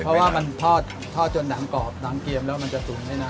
เพราะว่ามันทอดจนหนังกรอบหนังเกียมแล้วมันจะสูงไม่นาน